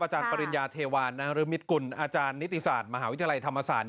ปริญญาเทวานนรมิตกุลอาจารย์นิติศาสตร์มหาวิทยาลัยธรรมศาสตร์